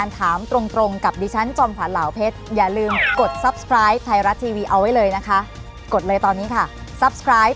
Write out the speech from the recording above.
วันนี้สวัสดีค่ะ